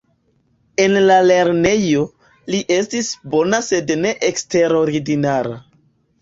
En la lernejo, li estis bona sed ne eksterordinara.